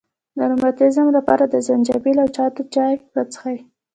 د روماتیزم لپاره د زنجبیل او شاتو چای وڅښئ